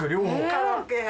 カラオケ屋。